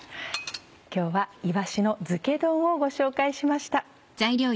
今日は「いわしのづけ丼」をご紹介しました。